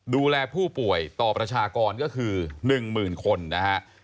ดูแลผู้ป่วยต่อประชากรก็คือ๑๐๐๐คนนะฮะ